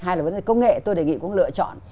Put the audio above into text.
hay là công nghệ tôi đề nghị cũng lựa chọn